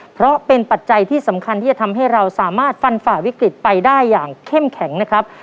เพราะเป็นปัจจัยที่สำคัญที่จะทำให้เราสามารถฟันฝ่าวิกฤตไปได้อย่างเข้มแข็งนะครับ